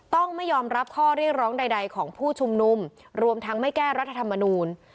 ต้องไม่ยอมรับข้อเรียกร้องใดของผู้ชุมนุมรวมทั้งไม่แก้รัฐธรรมนูล